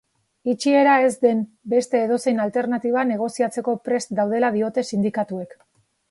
Itxiera ez den beste edozein alternatiba negoziatzeko prest daudela diote sindikatuek.